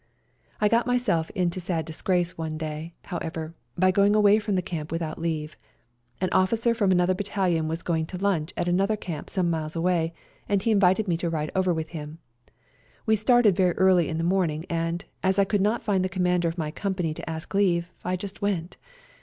I got myself into sad disgrace one day, however, by going away from the camp without leave. An officer from another battalion was going to limch at another camp some miles away, and he invited me to ride over with him. We started very early in the morning, and, as I could not find the Commander of my company to ask leave, I just went.